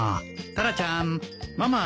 タラちゃんママ